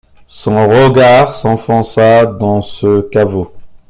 Son regard s’enfonça dans ce caveau.